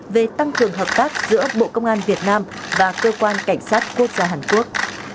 về tăng cường hợp tác giữa bộ công an việt nam và cơ quan cảnh sát quốc gia hàn quốc